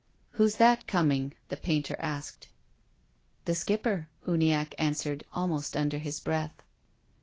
" Who's that coming? " the painter asked. THE GRAVE. 8 1 " The Skipper," Uniacke answered, almost under his breath.